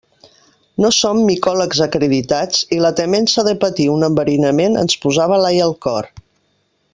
No som micòlegs acreditats i la temença de patir un enverinament ens posava l'ai al cor.